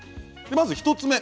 まず１つ目。